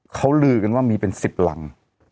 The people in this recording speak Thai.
เขาลือกันว่ามีเป็น๑๐หลัง